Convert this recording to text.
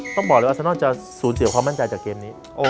ต้องบอกเลยว่าซานอลจะสูญเสียความมั่นใจจากเกมนี้